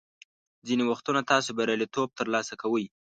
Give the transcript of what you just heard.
ځینې وختونه تاسو بریالیتوب ترلاسه کوئ.